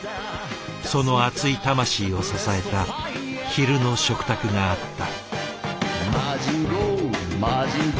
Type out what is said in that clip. その熱い魂を支えた昼の食卓があった。